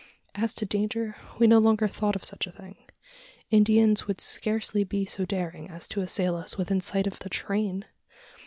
As to danger, we no longer thought of such a thing. Indians would scarcely be so daring as to assail us within sight of the train?